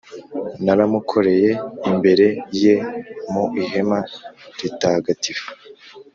Naramukoreye imbere ye mu ihema ritagatifu,